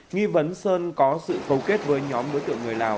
nghi vấn sơn có sự cầu kết với nhóm đối tượng người lào